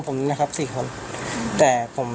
ใช่ครับ